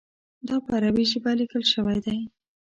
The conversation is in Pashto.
دا په عربي ژبه لیکل شوی دی.